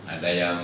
ada yang